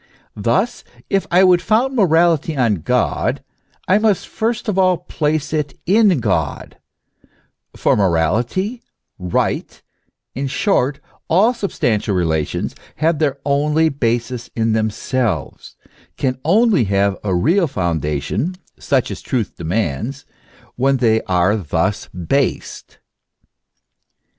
Thus, if I would found morality on God, I must first of all place it in God : for Morality, Eight, in short, all substantial relations, have their only basis in themselves, can only have a real foundation such as truth demands when they are thus based.